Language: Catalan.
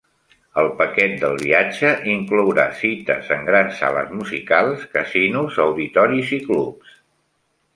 El paquet del viatge inclourà cites en grans sales musicals, casinos, auditoris i clubs.